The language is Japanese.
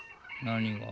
何が？